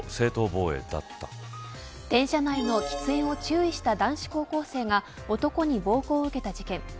電車内喫煙を注意した男子高校生が男に暴行を受けた事件。